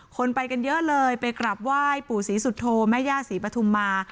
คนไปกันเยอะเลยไปกราบไหว้ปู่ศรีสุโธแม่ย่าศรีปฐุมมา